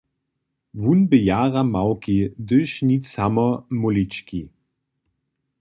Wón bě jara małki, hdyž nic samo mólički.